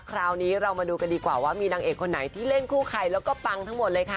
คราวนี้เรามาดูกันดีกว่าว่ามีนางเอกคนไหนที่เล่นคู่ใครแล้วก็ปังทั้งหมดเลยค่ะ